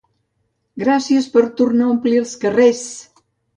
Gràcies per tornar a omplir els carrers!